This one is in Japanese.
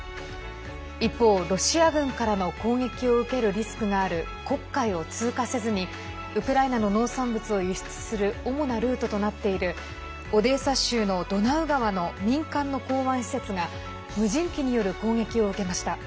一方、ロシア軍からの攻撃を受けるリスクがある黒海を通過せずにウクライナの農産物を輸出する主なルートとなっているオデーサ州のドナウ川の民間の港湾施設が無人機による攻撃を受けました。